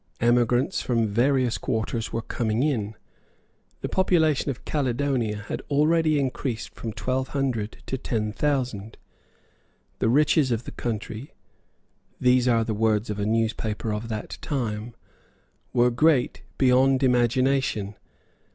Emigrants from various quarters were coming in. The population of Caledonia had already increased from twelve hundred to ten thousand. The riches of the country, these are the words of a newspaper of that time, were great beyond imagination.